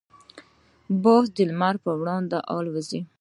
باز د لمر پر وړاندې الوزي.